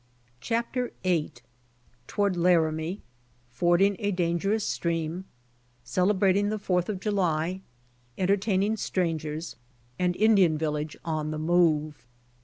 CHAPTER VIII. TOWARD LARAMIE. — FORDING A DANGEROUS STREAM. — CELEBRATING THE FOURTH OP JULY. — ENTERTAIN ING STRANGERS. — ^/VN INDIAN VILLAGE ON THE MOVE.